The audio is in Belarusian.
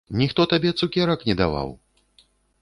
Ніхто табе цукерак не даваў?